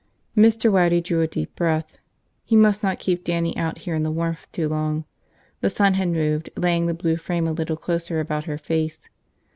Mr. Waddy drew a deep breath. He must not keep Dannie out here in the warmth too long. The sun had moved, laying the blue frame a little closer about her face.